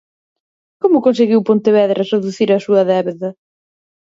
Como conseguiu Pontevedra reducir a súa débeda?